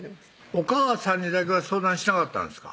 お母さんにだけは相談しなかったんですか？